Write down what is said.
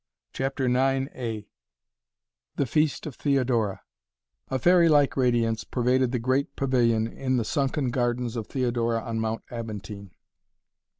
CHAPTER IX THE FEAST OF THEODORA A fairy like radiance pervaded the great pavilion in the sunken gardens of Theodora on Mount Aventine.